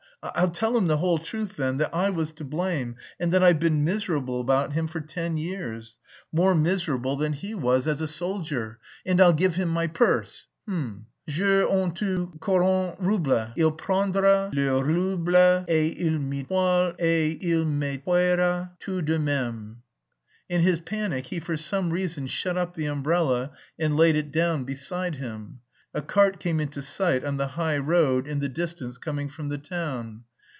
I'll tell him the whole truth then, that I was to blame... and that I've been miserable about him for ten years. More miserable than he was as a soldier, and... I'll give him my purse. H'm! J'ai en tout quarante roubles; il prendra les roubles et il me tuera tout de même." In his panic he for some reason shut up the umbrella and laid it down beside him. A cart came into sight on the high road in the distance coming from the town.